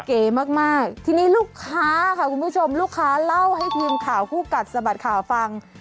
เก๋มากมากทีนี้ลูกค้าค่ะคุณผู้ชมลูกค้าเล่าให้ทีมข่าวคู่กัดสะบัดข่าวฟัง